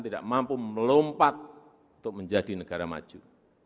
tidak mampu melompat untuk menjadi negara maju